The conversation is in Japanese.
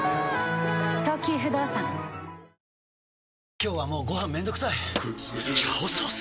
今日はもうご飯めんどくさい「炒ソース」！？